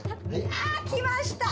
ああ来ました！